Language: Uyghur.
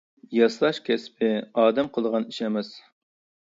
ياساش كەسپى ئادەم قىلىدىغان ئىش ئەمەس.